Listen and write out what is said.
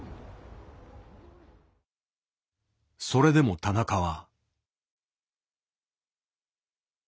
それでも田中は。